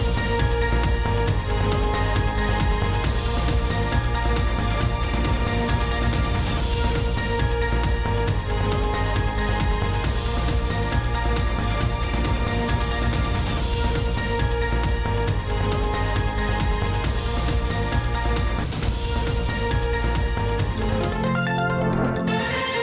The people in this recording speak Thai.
โปรดติดตามตอนต่อไป